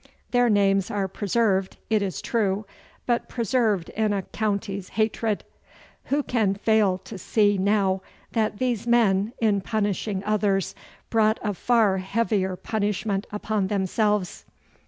Their names are preserved, it is true, but preserved in a county's hatred. Who can fail to see now that these men in punishing others brought a far heavier punishment upon themselves?